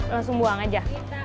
langsung buang aja